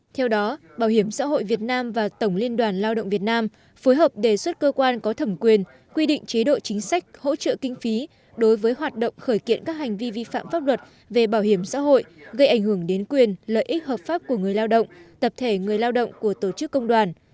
theo đó bảo hiểm xã hội việt nam và tổng liên đoàn lao động việt nam phối hợp đề xuất cơ quan có thẩm quyền quy định chế độ chính sách hỗ trợ kinh phí đối với hoạt động khởi kiện các hành vi vi phạm pháp luật về bảo hiểm xã hội gây ảnh hưởng đến quyền lợi ích hợp pháp của người lao động tập thể người lao động của tổ chức công đoàn